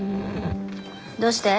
どうして？